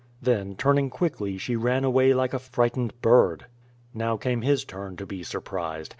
Then turning quickly she ran away like a frightened bird. Now came his turn to be surprised.